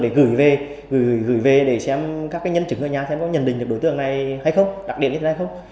để gửi về để xem các nhân chứng ở nhà xem có nhận định được đối tượng này hay không đặc điểm như thế này hay không